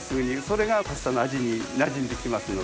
それがパスタの味になじんで来ますので。